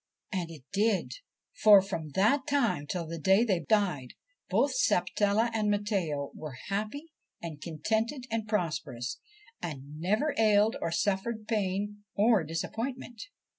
' 38 THE SERPENT PRINCE And it did ; for, from that time till the day they died, both Sapatella and Matteo were happy and contented and prosperous, and never ailed or suffered pain or disappointment.